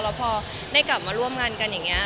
แล้วพอได้กลับมาร่วมงานกันอย่างนี้